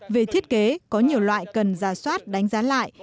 về thiết kế có nhiều loại cần giả soát đánh giá lại